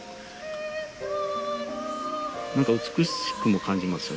何か美しくも感じますよね。